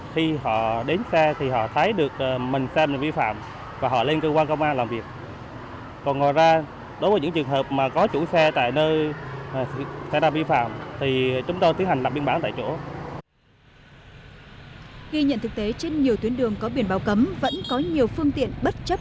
ghi nhận thực tế trên nhiều tuyến đường có biển báo cấm vẫn có nhiều phương tiện bất chấp